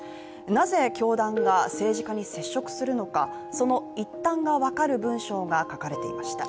なぜ、教団が政治家に接触するのかその一端が分かる文章が書かれていました。